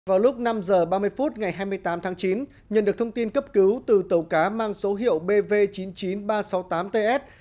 vào lúc năm h ba mươi phút ngày hai mươi tám tháng chín nhận được thông tin cấp cứu từ tàu cá mang số hiệu bv chín mươi chín nghìn ba trăm sáu mươi tám ts